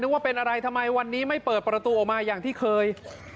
ว่าเป็นอะไรทำไมวันนี้ไม่เปิดประตูออกมาอย่างที่เคย